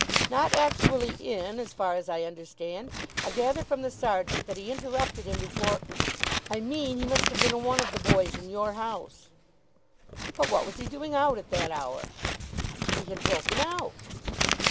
"Not actually in, as far as I understand. I gather from the sergeant that he interrupted him before " "I mean he must have been one of the boys in your house." "But what was he doing out at that hour?" "He had broken out."